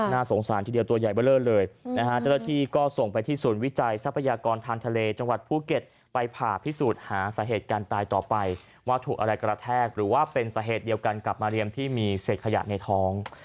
น่าสงสารทีเดียวตัวใหญ่เบอร์เลอร์เลยนะฮะเจ้าหน้าที่ก็ส่งไปที่ศูนย์วิจัยทรัพยากรทางทะเลจังหวัดภูเก็ตไปผ่าพิสูจน์หาสาเหตุการตายต่อไปว่าถูกอะไรกระแทกหรือว่าเป็นสาเหตุเดียวกันกับมาเรียมที่มีเศษขยะในท้อง